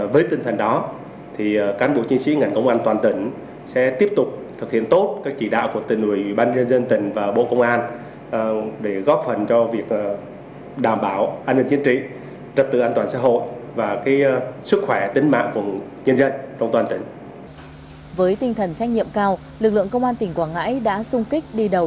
với tinh thần trách nhiệm cao lực lượng công an tỉnh quảng ngãi đã sung kích đi đầu